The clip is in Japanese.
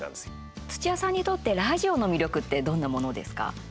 土屋さんにとってラジオの魅力ってどんなものですか。